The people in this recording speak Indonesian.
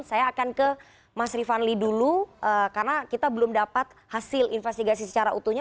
saya akan ke mas rifanli dulu karena kita belum dapat hasil investigasi secara utuhnya